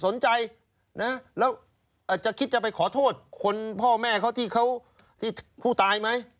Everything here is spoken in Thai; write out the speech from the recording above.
แล้วจะคิดจะไปขอโทษคนพ่อแม่เขาที่ผู้ตายไหม